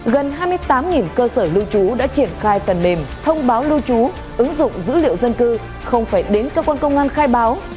gần hai mươi tám cơ sở lưu trú đã triển khai tần mềm thông báo lưu trú ứng dụng dữ liệu dân cư không phải đến cơ quan công an khai báo